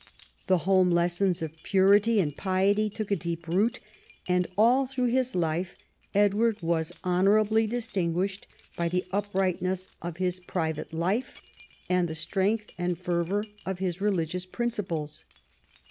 The home lessons of purity and piety took a deep root, and all through his life Edward was honourably distinguished by the uprightness of his private life and the strength and fervour of his religious principles.